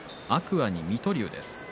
海に水戸龍です。